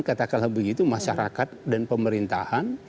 katakanlah begitu masyarakat dan pemerintahan